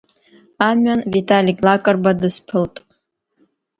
Амҩан Виталик Лакрба дысԥылт.